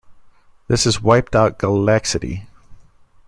This has wiped out Galaxity.